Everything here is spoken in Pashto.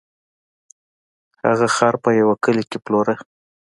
هغه خر په یوه کلي کې پلوره.